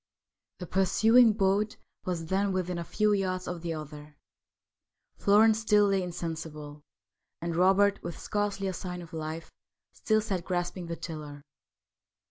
The pursuing boat was then within a few yards of the other. Florence still lay insensible, and Robert, with scarcely a sign of life, still sat grasping the tiller.